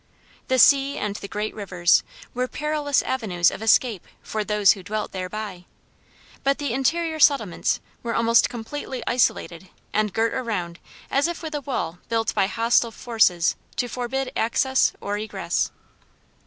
The sea and the great rivers were perilous avenues of escape for those who dwelt thereby, but the interior settlements were almost completely isolated and girt around as if with a wall built by hostile forces to forbid access or egress.